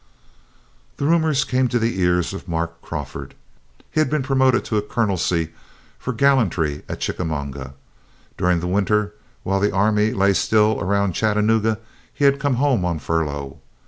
These rumors came to the ears of Mark Crawford. He had been promoted to a colonelcy for gallantry at Chickamauga. During the winter, while the army lay still around Chattanooga, he had come home on furlough.